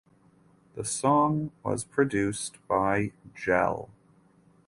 The song was produced by JeL.